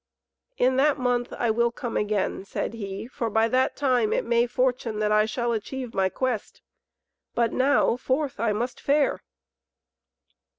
"In that month I will come again," said he, "for by that time it may fortune that I shall achieve my quest, but now forth must I fare."